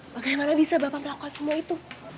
bagaimana bisa bapak melakukan semua itu